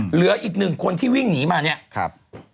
เหลืออีกหนึ่งคนที่วิ่งหนีมาเนี่ยครับ